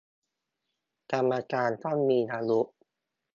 กรรมการต้องมีอายุ